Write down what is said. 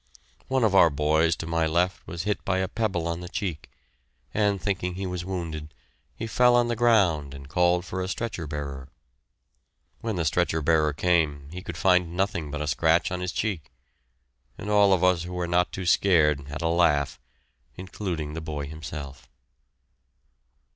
One of our boys to my left was hit by a pebble on the cheek, and, thinking he was wounded, he fell on the ground and called for a stretcher bearer. When the stretcher bearer came, he could find nothing but a scratch on his cheek, and all of us who were not too scared had a laugh, including the boy himself.